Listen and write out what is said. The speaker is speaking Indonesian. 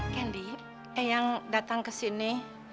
candy ea yang datang kesini